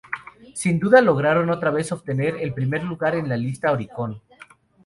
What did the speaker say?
Sin duda lograron otra vez obtener el primer lugar en la lista "Oricon".